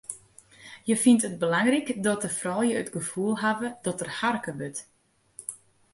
Hja fynt it belangryk dat de froulju it gefoel hawwe dat der harke wurdt.